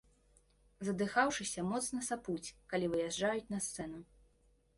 Задыхаўшыся, моцна сапуць, калі выязджаюць на сцэну.